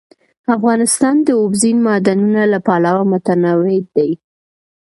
افغانستان د اوبزین معدنونه له پلوه متنوع دی.